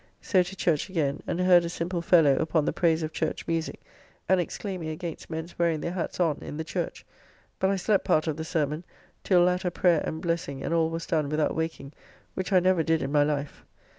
So to church again, and heard a simple fellow upon the praise of Church musique, and exclaiming against men's wearing their hats on in the church, but I slept part of the sermon, till latter prayer and blessing and all was done without waking which I never did in my life.